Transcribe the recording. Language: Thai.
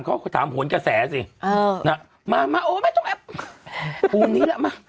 ก็ถามหวนกระแสสิเอ่อน่ะมามาโอ้ยต้องแอบครูนี้ละมา